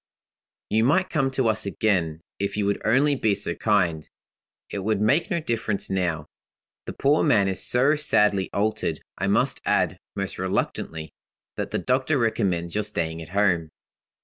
"You might come to us again, if you would only be so kind. It would make no difference now; the poor man is so sadly altered. I must add, most reluctantly, that the doctor recommends your staying at home.